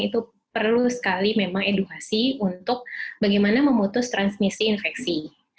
itu perlu sekali memang edukasi untuk bagaimana memutus transmisi infeksi